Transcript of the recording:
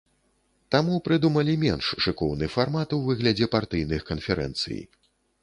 Таму прыдумалі менш шыкоўны фармат у выглядзе партыйных канферэнцый.